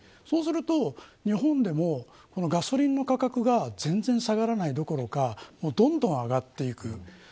そうすると日本でもガソリンの価格が全然下がらないどころかどんどん上がっていく。